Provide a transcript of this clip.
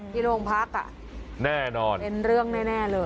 ที่โรงพักอ่ะแน่นอนเป็นเรื่องแน่เลย